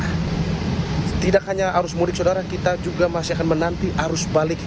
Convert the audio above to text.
karena tidak hanya arus mudik saudara kita juga masih akan menanti arus balik